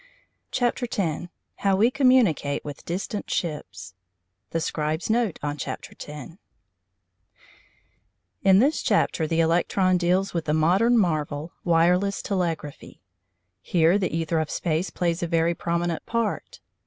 CHAPTER X HOW WE COMMUNICATE WITH DISTANT SHIPS THE SCRIBE'S NOTE ON CHAPTER TEN In this chapter the electron deals with that modern marvel Wireless Telegraphy. Here the æther of space plays a very prominent part.